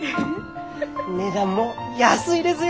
値段も安いですよ！